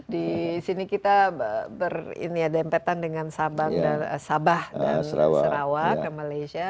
di sini kita berdempetan dengan sabah dan sarawak malaysia